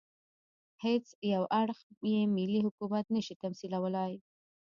هېڅ یو اړخ یې ملي حکومت نه شي تمثیلولای.